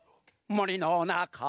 「もりのなか」